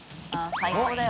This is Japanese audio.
最高だよ。